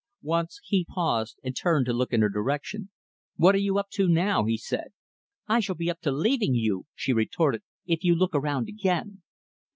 Once, he paused and turned to look in her direction "What are you up to, now?" he said. "I shall be up to leaving you," she retorted, "if you look around, again."